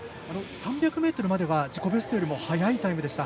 ３００ｍまでは自己ベストよりも速いタイムでした。